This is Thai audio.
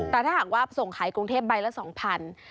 แต่ถ้าหากว่าส่งขายกรุงเทพใบละ๒๐๐บาท